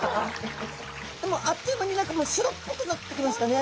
でもあっという間に何か白っぽくなってきましたね。